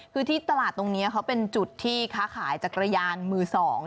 คือที่ตลาดตรงนี้เขาเป็นจุดที่ค้าขายจักรยานมือ๒